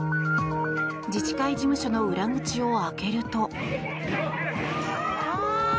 自治会事務所の裏口を開けると。